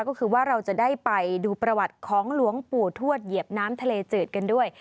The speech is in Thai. ก็คือว่าเราจะได้ไปดูประวัติของหลวงปู่ทวดเหยียบน้ำทะเลจืดกันด้วย